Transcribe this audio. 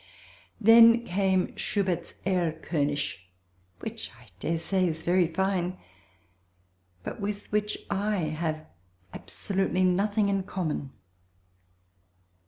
Then came Schubert's "Erl König," which, I daresay, is very fine but with which I have absolutely nothing in common.